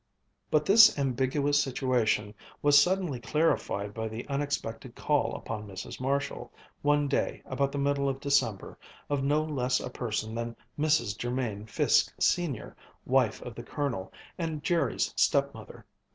But this ambiguous situation was suddenly clarified by the unexpected call upon Mrs. Marshall, one day about the middle of December, of no less a person than Mrs. Jermain Fiske, Sr., wife of the Colonel, and Jerry's stepmother.